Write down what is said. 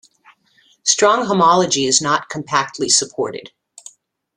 Strong homology is not compactly supported.